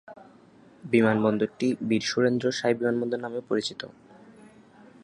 বিমানবন্দরটি বীর সুরেন্দ্র সাঁই বিমানবন্দর নামেও পরিচিত।